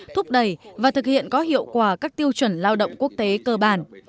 thúc đẩy và thực hiện có hiệu quả các tiêu chuẩn lao động quốc tế cơ bản